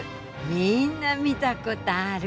みんな見たことある。